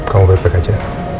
kamu baik baik aja